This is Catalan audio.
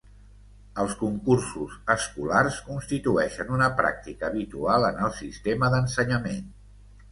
Els concursos escolars constitueixen una pràctica habitual en el sistema d'ensenyament.